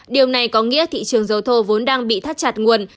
điều này có nghĩa thị trường dầu thô vốn đang bị thắt chặt nguồn